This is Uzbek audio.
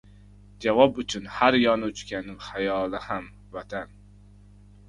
Javob uchun har yon uchgan xayoli ham Vatan.